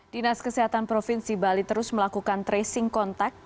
dinas kesehatan provinsi bali terus melakukan tracing kontak